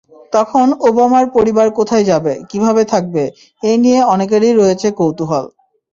তখন ওবামার পরিবার কোথায় যাবে, কীভাবে থাকবে—এই নিয়ে অনেকেরই রয়েছে কৌতূহল।